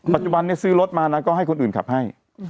ปัจจุบันนี้ซื้อรถมานะก็ให้คนอื่นขับให้